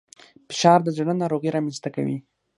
فشار د زړه ناروغۍ رامنځته کوي